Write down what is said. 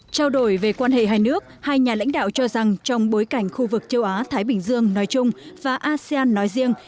trao đổi về quan hệ hai nước hai nhà lãnh đạo cho rằng trong bối cảnh khu vực châu á thái bình dương nói chung và asean nói riêng